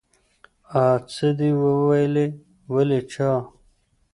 آ څه دې وويلې ولې چا.